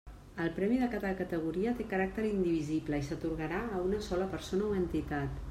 El premi de cada categoria té caràcter indivisible i s'atorgarà a una sola persona o entitat.